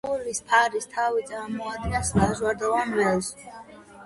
გულის ფარის თავი წარმოადგენს ლაჟვარდოვან ველს.